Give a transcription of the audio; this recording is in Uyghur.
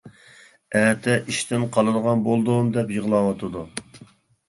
ئەتە ئىشتىن قالىدىغان بولدۇم، دەپ يىغلاۋاتىدۇ.